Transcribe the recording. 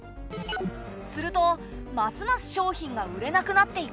するとますます商品が売れなくなっていく。